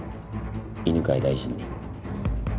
犬飼大臣に。